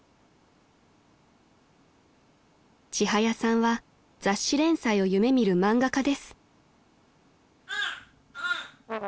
［ちはやさんは雑誌連載を夢見る漫画家です］